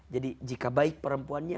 jadi jika baik perempuannya